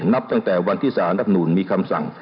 นับตั้งแต่วันที่สารรับนูลมีคำสั่ง